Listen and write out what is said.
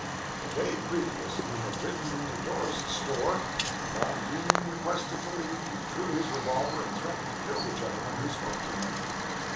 The day previous he had ridden into Dorris's store, and on being requested to leave, he drew his revolver and threatened to kill the gentleman who spoke to him.